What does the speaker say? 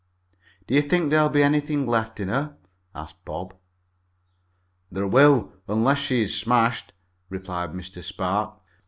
"Do you think there'll be anything left in her?" asked Bob. "There will, unless she is smashed," replied Mr. Spark.